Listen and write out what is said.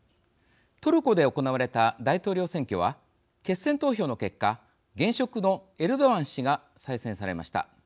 トルコで行われた大統領選挙は決選投票の結果現職のエルドアン氏が再選されました。